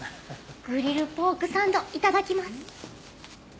グリルポークサンドいただきます。